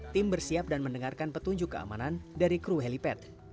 tim bersiap dan mendengarkan petunjuk keamanan dari kru helipad